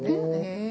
へえ！